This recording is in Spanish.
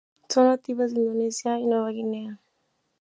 Son nativas de Indonesia y Nueva Guinea.